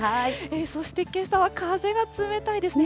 そしてけさは風が冷たいですね。